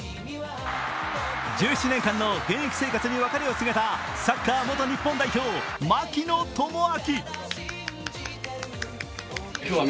１７年間の現役生活に別れを告げたサッカー元日本代表・槙野智章。